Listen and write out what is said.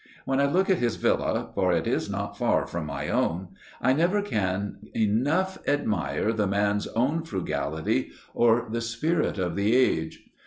When I look at his villa for it is not far from my own I never can enough admire the man's own frugality or the spirit of the age.